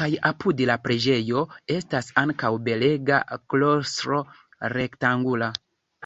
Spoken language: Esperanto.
Kaj apud la preĝejo estas ankaŭ belega klostro rektangula.